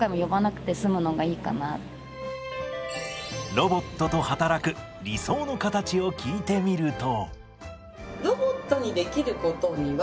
ロボットと働く理想の形を聞いてみると。